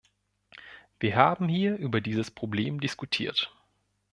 Wir haben hier über dieses Problem diskutiert.